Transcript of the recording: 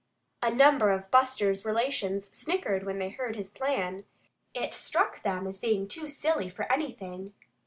A number of Buster's relations snickered when they heard his plan. It struck them as being too silly for anything.